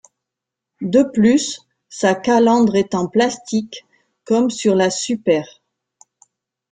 De plus, sa calandre est en plastique, comme sur la Super.